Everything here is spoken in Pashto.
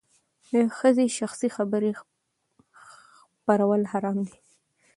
د ښځې شخصي خبرې خپرول حرام دي.